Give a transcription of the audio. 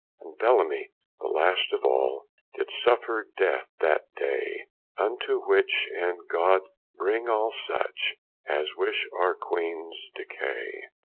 And Bellamie the last of all Did suffer death that daye; Unto which end God bring all such As wish our Queenes decay.